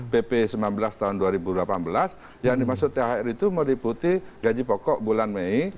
pp sembilan belas tahun dua ribu delapan belas yang dimaksud thr itu meliputi gaji pokok bulan mei